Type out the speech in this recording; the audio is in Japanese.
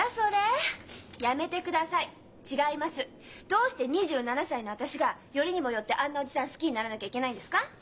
どうして２７歳の私がよりにもよってあんなおじさん好きにならなきゃいけないんですか？